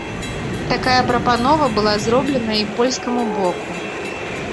Такая прапанова была зробленая і польскаму боку.